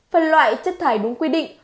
phần loại chất thải đúng quy định